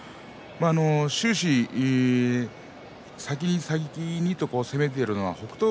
終始、先に先にと攻めているのは北勝